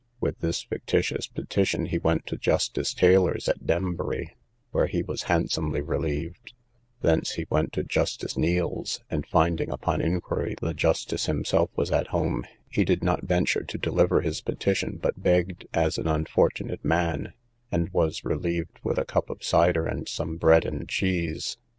With this fictitious petition he went to Justice Taylor's, at Dembury, where he was handsomely relieved: thence he went to Justice Neil's, and finding upon inquiry the justice himself was at home, he did not venture to deliver his petition, but begged as an unfortunate man, and was relieved with a cup of cider, and some bread and cheese.